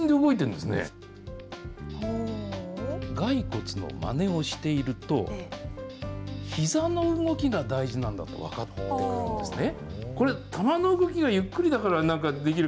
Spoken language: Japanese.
骸骨のまねをしているとひざの動きが大事なんだと分かってくるんですね。